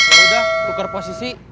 yaudah tukar posisi